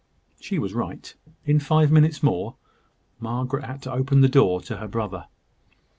She was right. In five minutes more, Margaret had to open the door to her brother.